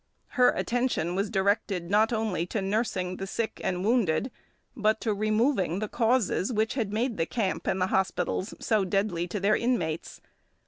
Her attention was directed not only to nursing the sick and wounded, but to removing the causes which had made the camp and the hospitals so deadly to their inmates.